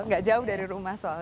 gak jauh dari rumah soal